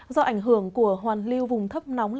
do ảnh hưởng của hoàn lưu vùng thấp nóng